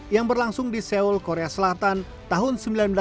yang berlangsung di seoul korea selatan tahun seribu sembilan ratus delapan puluh